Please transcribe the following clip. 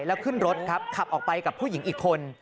แล้วขึ้นรถครับขับออกไปกับผู้หญิงอีกคน